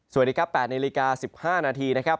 สวัสดีครับ๘นาฬิกา๑๕นาทีนะครับ